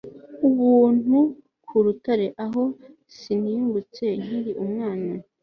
ubuntu, ku rutare aho nasimbutse nkiri umwana